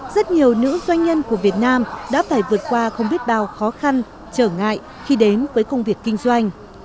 rất nhiều nữ doanh nhân của việt nam đã phải vượt qua không biết bao khó khăn trở ngại khi đến với công việc kinh doanh